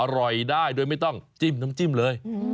อร่อยได้โดยไม่ต้องจิ้มน้ำจิ้มเลย